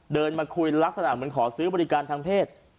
เดินมาคุยลักษณะเหมือนขอซื้อบริการทางเพศ